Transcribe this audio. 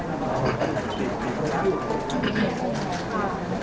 พร้อมแล้วเลยค่ะ